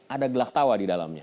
ada gelak tawa di dalamnya